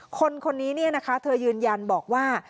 คนนี้นะคะเธอยืนยันบอกว่า